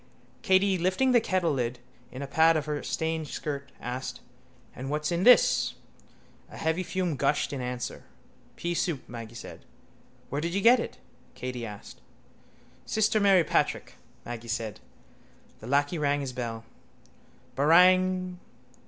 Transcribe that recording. Katey, lifting the kettlelid in a pad of her stained skirt, asked: —And what's in this? A heavy fume gushed in answer. —Peasoup, Maggy said. —Where did you get it? Katey asked. —Sister Mary Patrick, Maggy said. The lacquey rang his bell. —Barang!